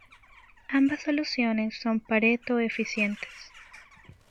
Ambas soluciones son Pareto eficientes.